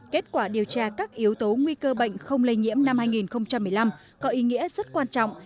kết quả điều tra các yếu tố nguy cơ bệnh không lây nhiễm năm hai nghìn một mươi năm có ý nghĩa rất quan trọng